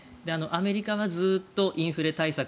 アメリカはずっとインフレ対策